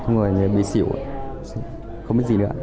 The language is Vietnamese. người này bị xỉu không biết gì nữa